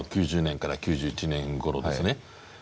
９０年から９１年ごろですね